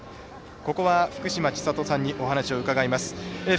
ここは福島千里さんにお話を伺います。